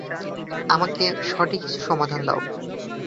আমাকে সঠিক কিছু সমাধান দাও।